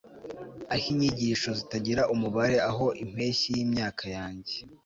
Ah Inyigisho zitagira umubare aho impeshyi yimyaka yanjye